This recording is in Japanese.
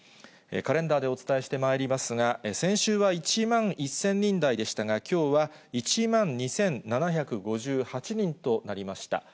カレンダーでお伝えしてまいりますが、先週は１万１０００人台でしたが、きょうは１万２７５８人となりました。